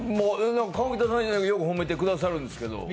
河北さんがよく褒めてくださるんですけど。